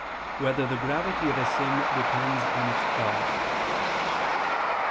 6] Whether the Gravity of a Sin Depends on Its Cause?